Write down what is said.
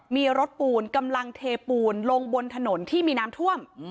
มีรถปูนกำลังเทปูนลงบนถนนที่มีน้ำท่วม